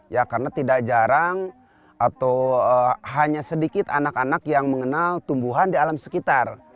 ya karena tidak jarang atau hanya sedikit anak anak yang mengenal tumbuhan di alam sekitar